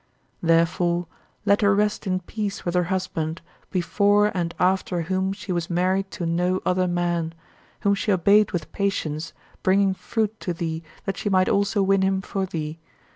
37. Therefore, let her rest in peace with her husband, before and after whom she was married to no other man; whom she obeyed with patience, bringing fruit to thee that she might also win him for thee.